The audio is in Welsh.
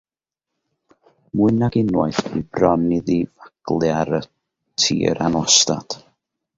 Mwy nag unwaith bu bron iddi faglu ar y tir anwastad.